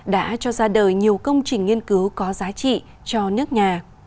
đã cho ra đời nhiều công trình nghiên cứu có giá trị cho nước nhà